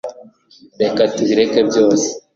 reka tubireke byose